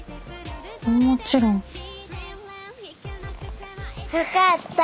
もちろん。よかった。